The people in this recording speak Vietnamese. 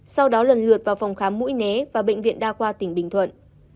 sau đó lần lượt vào phòng khám mũi né và bệnh viện đa khoa tỉnh bình thuận